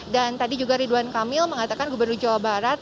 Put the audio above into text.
dan tadi juga ridwan kamil mengatakan gubernur jawa barat